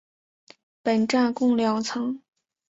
本站共两层。